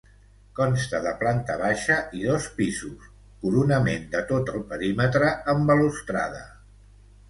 Consta de planta baixa i dos pisos, coronament de tot el perímetre amb balustrada.